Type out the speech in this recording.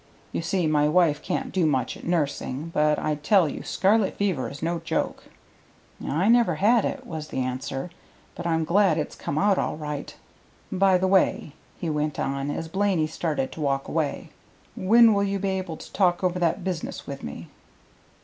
You see my wife can't do much at nursing. But I tell you scarlet fever is no joke." "I never had it," was the answer, "but I'm glad it's come out all right. By the way," he went on, as Blaney started to walk away, "when will you be able to talk over that business with me?"